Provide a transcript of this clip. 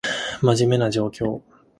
真面目な状況